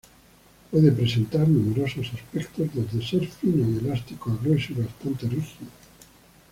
Puede presentar numerosos aspectos, desde ser fino y elástico a grueso y bastante rígido.